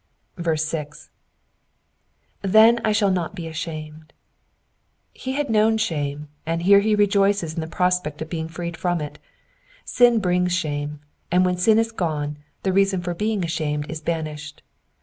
6. Then shall 1 not 1^ ashamed,'*'* He had known shame, and here he> rejoices in the prospect of being freed from it. Sin brings shame, and when sin is gone, the reason for being ashamed is banished.